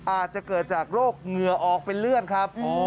อาจจะเกิดจากโรคเหงื่อออกเป็นเลื่อนครับ